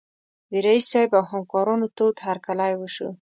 د رییس صیب او همکارانو تود هرکلی وشو.